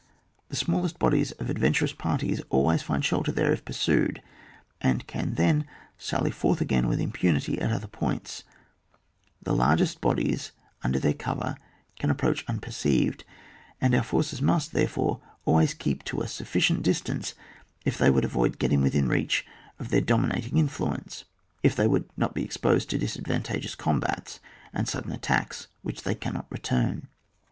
The smallest bodies of adven turous partisans always find shelter there if pursued, and can then sally forth again with impunity at other points; the largest bodies, under their cover, can approach unperceived, and our forces niust, therefore, always keep at a suffi cient distance if they would avoid getting within reach of their dominating influ ence— if they would not be exposed to disadvantageous combats and sudden attacks which they cannot return.